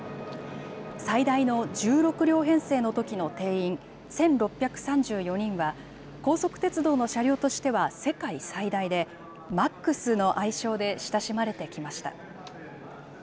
最大の１６両編成のときの定員１６３４人は、高速鉄道の車両としては世界最大で、Ｍａｘの愛称で親しまれてきました。